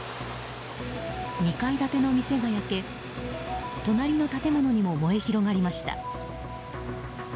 ２階建ての店が焼け隣の建物にも燃え広がりました。